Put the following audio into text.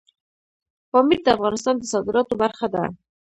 پامیر د افغانستان د صادراتو برخه ده.